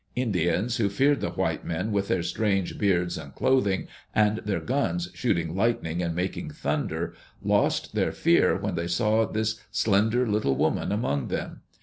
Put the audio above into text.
Indians who feared the white men, with their strange beards and clothing, and their guns shooting lightning and making thunder, lost their fear when they saw this slender little woman among them.